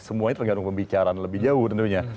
semuanya tergantung pembicaraan lebih jauh tentunya